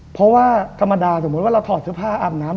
เพราะว่าธรรมดาสมมุติว่าเราถอดเสื้อผ้าอาบน้ำ